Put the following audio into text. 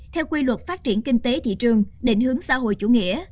theo quy luật phát triển kinh tế thị trường định hướng xã hội chủ nghĩa